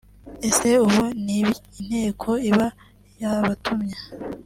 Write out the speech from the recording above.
ese ubu nibi inteko iba yabatumye